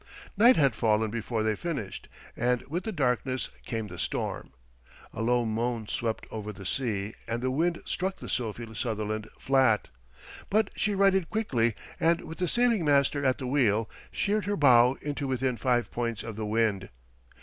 Night had fallen before they finished, and with the darkness came the storm. A low moan swept over the sea, and the wind struck the Sophie Sutherland flat. But she righted quickly, and with the sailing master at the wheel, sheered her bow into within five points of the wind.